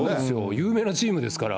有名なチームですから。